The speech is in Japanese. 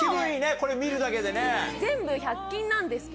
これ見るだけでね。